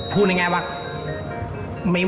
พูดง่ายว่า